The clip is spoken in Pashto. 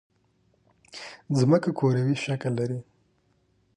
ځمکه کوروي شکل لري